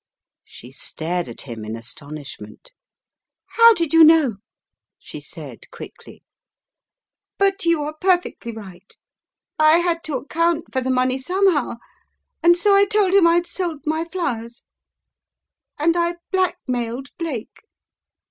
She stared at him in astonishment. "How did you know?" she said, quickly. "But you are perfectly right. I had to account for the money somehow, and so I told him I had sold my flowers. And I blackmailed Blake!